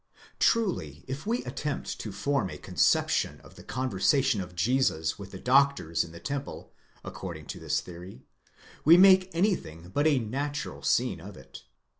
Truly, if we attempt to form a conception of the conversation of Jesus with the doctors in the temple accord ὁ ing to this theory, we make anything but a natural scene of it.